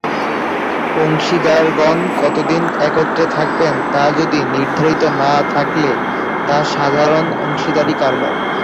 অংশীদারগণ কতদিন একত্রে থাকবেন তা যদি নির্ধারিত না থাকলে তা সাধারণ অংশীদারি কারবার।